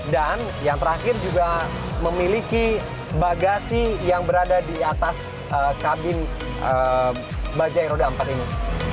dan yang terakhir juga memiliki bagasi yang berada di atas kabin bajai roda empat ini